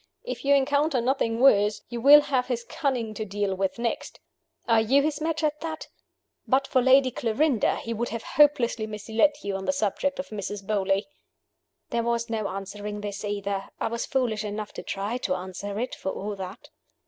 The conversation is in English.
If you encounter nothing worse, you will have his cunning to deal with next. Are you his match at that? But for Lady Clarinda he would have hopelessly misled you on the subject of Mrs. Beauly." There was no answering this, either. I was foolish enough to try to answer it, for all that.